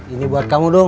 ini buat kamu dong